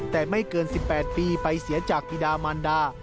แต่ไม่เกิน๑๘ปีไปเสียจากบิดามันดา